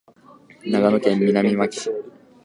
長野県南牧村